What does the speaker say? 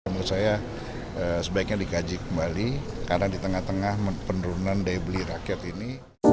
menurut saya sebaiknya dikaji kembali karena di tengah tengah penurunan daya beli rakyat ini